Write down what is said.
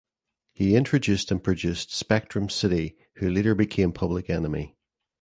He introduced and produced Spectrum City who later became Public Enemy.